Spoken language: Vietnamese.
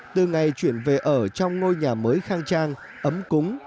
từ ngày chuyển về ở trong ngôi nhà mới khang trang ấm cúng